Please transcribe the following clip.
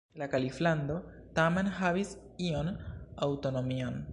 La kaliflando tamen havis iom aŭtonomion.